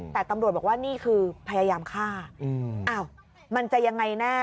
แต่ตำรวจบอกว่านี่คือพยายามฆ่าอ้าวมันจะยังไงแน่